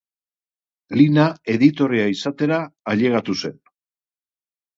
Lina editorea izatera ailegatu zen.